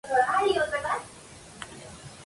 Aun así, nadie pudo encontrar a Crowe.